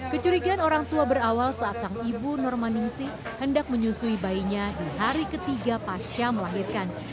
kecurigaan orang tua berawal saat sang ibu normaningsi hendak menyusui bayinya di hari ketiga pasca melahirkan